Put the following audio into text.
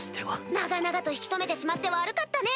長々と引き留めてしまって悪かったね！